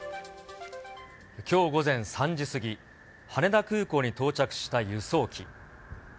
きょう午前３時過ぎ、羽田空港に到着した輸送機。